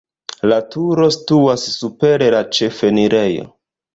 La turo situas super la ĉefenirejo.